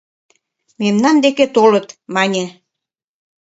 — Мемнан деке толыт! — мане.